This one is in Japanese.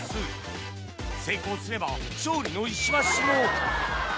成功すれば勝利の石橋も